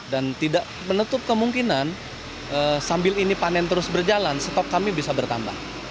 dan tidak menutup kemungkinan sambil ini panen terus berjalan stok kami bisa bertambah